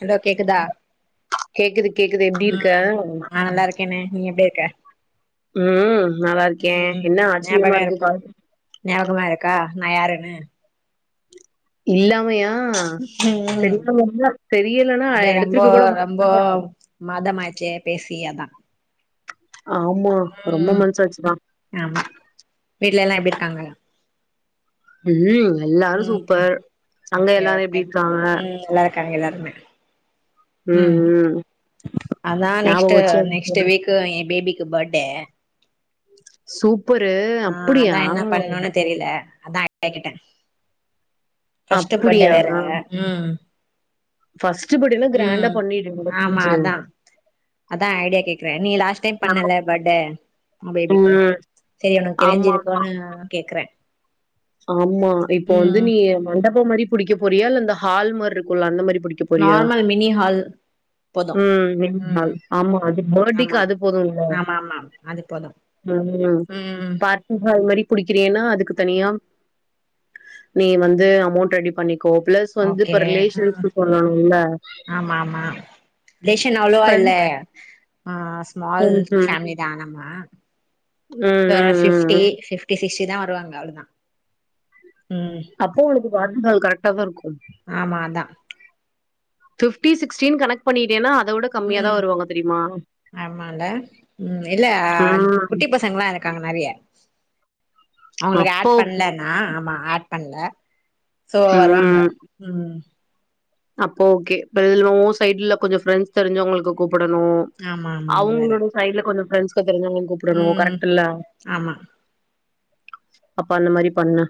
Hello கேக்குதா கேக்குது கேக்குது எப்டி ம் இருக்க நா நல்லாருக்கேனே நீ எப்டி இருக்க ம் நல்லாருக்கே ம் என்ன ஆச்ரியமா ஞாபக இருக்கு இருக் கால் ஞாபகமா இருக்கா நா யாருன்னு இல்லாமையா ம் தெரிஞ்சனால தெரியலனா எடுத்துருக்க கூட மாட்டல்ல மாத மாய்ச்சே பேசி அதா ஆமா ரொம்ப ம் மாச ஆச்சிதா ஆமா வீட்ல எல்லா எப்டி இருக்காங்க ம் எல்லாரு ம் சூப்பர் அங்க எல்லாரு எப்டி இருக்றாங்க காங்க எல்லாருமே ம் ம் அதா ஞாபகோ நெக்ஸ்ட்டு வச்சு நெக்ஸ்ட் வீக்கு ஏ பேபிக்கு படே சூப்பரு ஆ அதா அப்புடியா என்ன பண்ணணுனு தெரில அதா [inaudible] கிட்ட ஃபஸ்ட் படே அப்டியா வேற ம் ஃபஸ்ட்டு படேனா கிராண்டா ம் பண்ணிடனு ஆமா லூசு அதா அதா ஐடியா கேக்கற நீ லாஸ்ட் டைம் பண்ண நம்ம இல்ல படே உ பேபிக்கு ம் செரி உனக் ஆமா ஆமா தெரிஞ்சிருக்குனு கேக்கறே ஆமா இப்ப வந்து நீ மண்டப மாரி புடிக்க போறியா இல்ல இந்த ஹால் மாரி இருக்குல்ல அந்த மாரி புடிக் நார்மல் மினி ஹால் போது ம் மினி ஹால் ம் ஆமா அது படேக்கு ஆமா அது போதுல்ல ஆமா ஆமா அது போது ம் ம் பார்ட்டி ஹால் மாரி புடிக்கிறியேனா அதுக்கு தனியா நீ வந்து அமௌண்ட் ரெடி பண்ணிக்கோ பிளஸ் சோ வந்து ஓகே இப்ப ம் ரிலேசன்ஸ்க்கு சொல்லனு இல்ல ஆமா ஆமா ரிலேஷன் அவ்ளோவா இல்ல ஆ ஸ்மால் ம்ஹ்ம். ஃபேமலி தானமா ம், செரி ம், சிஸ் ம், டி ம். ஃபிப்டி சிக்ஸு தா வருவாங்க அவ்ளதா ம் அப்போ உனக்கு வாடு நாள் கரெக்டா தா இருக்கு ஆமா அதா ஃபிப்டி சிக்ஸ்ட்டின் கனெக்ட் பண்ணிட்டேனா அத வுட ம் ஆமால்ல ம் இல்ல அ ம். குட்டி பச பசங்லா இருக்காங்க நெறைய அவுங்களுக்கு அப்போ ஆட் ஓகே. பண்ல ஆ ஆமா ஆட் பண்ல சோ வருவாங்க ம். ம் அப்போ ஓகே இப்ப இதுல ஊ சைட்ல கொஞ்ச ஃப்ரெண்ட்ஸ் தெரிஞ்சவங்களுக்கு கூப்புடனு ஆமா ஆமா அது வேற அவுங்ளோட சைட்ல கொஞ்ச ஃப்ரெண்ட்ஸ்க்கு தெரிஞ்சாங்கன் கூப்டனு ம் கரெக்ட் இல்ல ஆமா அப்ப அந்த மாரி பண்ணு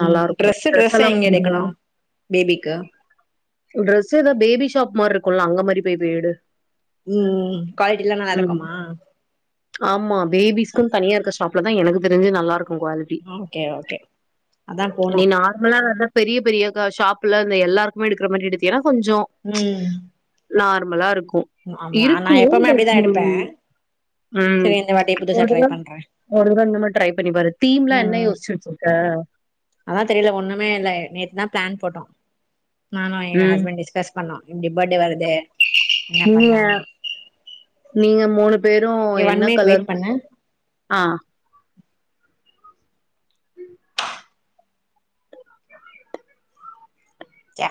ம் நல்லா இருக்கு ட்ரெஸு ட்ரெஸ் ட்ரெஸு எல்லா எங்க எடுக்கணு வாங்குவியா பேபிக்கு ட்ரெஸ் எதா பேபிஷாப் மார்ருக்குல்ல அங்க மாரி போய்ட்டு எடு ம் குவாலிட்டில்லா ம் நல்லாருக்குமா ஆமா பேபிஸ்க்குன் தனியா இருக்க ஷாப்ல தா எனக்கு தெரிஞ்சு நல்லாருக்கூ குவாலி ஓகே ஓகே அதான் போனு நம்மளா வந்து பெரிய பெரிய கா ஷாப்புல இந்த எல்லாருக்குமே எடுக்குற மாரி எடுத்தீங்கனா கொஞ்சோ ம் நார்மலா இருக்கூ ஆமா நா இருக்கூ எப்பவுமே பட் அப்டிதா ம் எடுப்பே சரி இந்த வாட்டி புதுசா ட்ரை பண்றே ம் ஒரு தடவ இந்த மாரி ட்ரை பண்ணி பாரு தீம்லா என்ன ம் யோஸிச்சு வச்சிருக்க அதா தெரியில ஒண்ணுமே இல்ல நேத்து தா பிளான் போட்டோ நானு எ ம் ஹஸ்பண்ட் டிஸ்கஸ் பண்ணோ இப்டி பட்டே வருதே நீங்க நீங்க மூணு பேரு ஏ ஒன் என்ன மினிட் கலர் வெயிட் பண்ணு ஆ சே